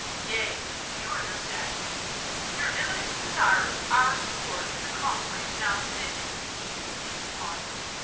" Yea, you understand me." " Your Eminence desires our support in the Conclave now sitting," she continued haughtily.